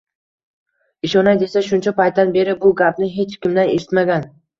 Ishonay desa shuncha paytdan beri bu gapni hech kimdan eshitmagan